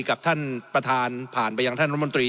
กับท่านประธานผ่านไปยังท่านรัฐมนตรี